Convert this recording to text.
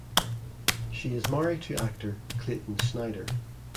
She is married to actor Clayton Snyder